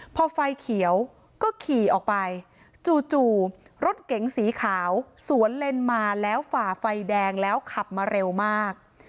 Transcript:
พอไฟเขียวก็ขี่ออกไปจู่รถเก๋งสีขาวสวนเลนมาแล้วฝ่าไฟแดงแล้วขับมาเร็วมาก